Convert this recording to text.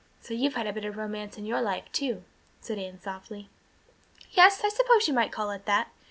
"So you've had a bit of romance in your life, too," said Anne softly. "Yes, I suppose you might call it that.